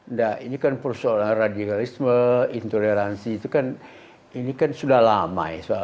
nah ini kan persoalan radikalisme intoleransi itu kan ini kan sudah lama